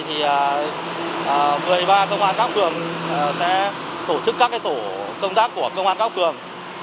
thì một mươi ba công an các phường sẽ tổ chức các tổ công tác của công an các phường